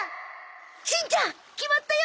しんちゃん決まったよ